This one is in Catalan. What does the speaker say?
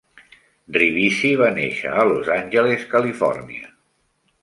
Ribisi va néixer a Los Angeles, Califòrnia.